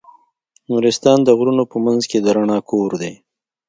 نورستان د غرونو په منځ کې د رڼا کور دی.